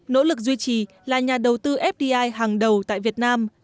nỗ lực duy trì là nhà đầu tư fdi hàng đầu tại việt nam